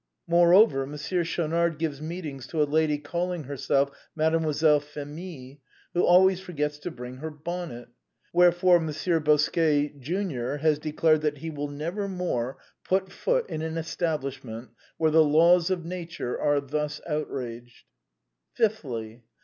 " Moreover, Monsieur Schaunard gives meetings to a lady calling herself Mademoiselle Phémie, who always for gets to bring her bonnet. Wherefore, Monsieur Bosquet, Jr., has declared that he will never more put foot in an establishment where the laws of nature are thus outraged. " Fifthly.